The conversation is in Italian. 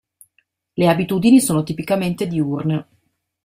Le abitudini sono tipicamente diurne.